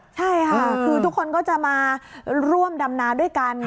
ใช่ค่ะคือทุกคนก็จะมาร่วมดำนาด้วยกัน